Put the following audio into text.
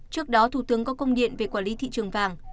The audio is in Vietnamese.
trước đó thủ tướng có công điện về quản lý thị trường vàng